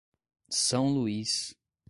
São Luiz